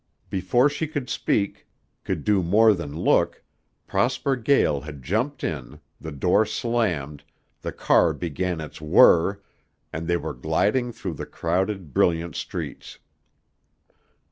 Before she could speak, could do more than look, Prosper Gael had jumped in, the door slammed, the car began its whirr, and they were gliding through the crowded, brilliant streets.